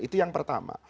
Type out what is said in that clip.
itu yang pertama